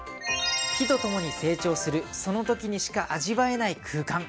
木と共に成長するその時にしか味わえない空間。